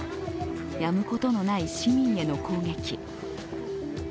やむことのない市民への攻撃。